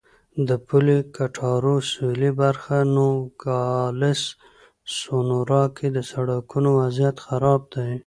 د پولې کټارو سوېلي برخه نوګالس سونورا کې د سړکونو وضعیت خراب دی.